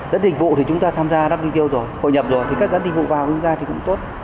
dự án dịch vụ thì chúng ta tham gia wto rồi hội nhập rồi thì các dự án dịch vụ vào chúng ta thì cũng tốt